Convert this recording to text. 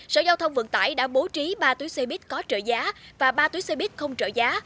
sở giao thông vận tải đã bố trí ba túi xe buýt có trợ giá và ba túi xe buýt không trợ giá